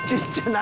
何？